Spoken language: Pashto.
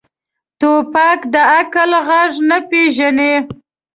توپک د عقل غږ نه پېژني.